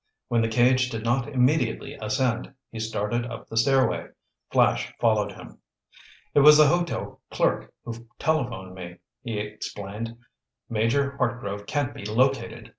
When the cage did not immediately ascend, he started up the stairway. Flash followed him. "It was the hotel clerk who telephoned me," he explained. "Major Hartgrove can't be located.